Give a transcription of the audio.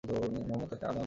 মুহাম্মদ তাকে আজাদ করে দেন।